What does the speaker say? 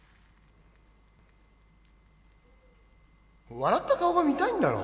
笑った顔が見たいんだろ？